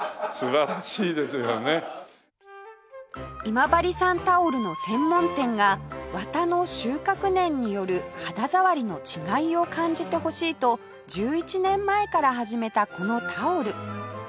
今治産タオルの専門店が綿の収穫年による肌触りの違いを感じてほしいと１１年前から始めたこのタオル